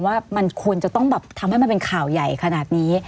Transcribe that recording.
ว่ามันควรจะต้องแบบทำให้มันเป็นข่าวใหญ่ขนาดนี้